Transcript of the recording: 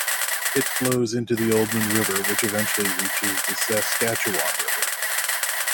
It flows into the Oldman River which eventually reaches the Saskatchewan River.